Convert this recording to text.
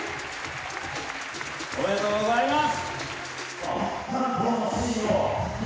おめでとうございます。